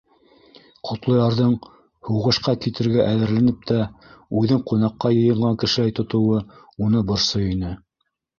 Ҡотлоярҙың, һуғышҡа китергә әҙерләнеп тә, үҙен ҡунаҡҡа йыйынған кешеләй тотоуы уны борсой ине.